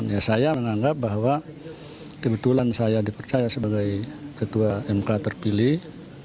ya saya menganggap bahwa kebetulan saya dipercaya sebagai ketua mk terpilih